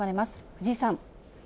藤井さん。